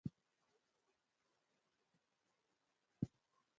Malita adaseka acimʼbvundza, apa ukuti mbani aniwina?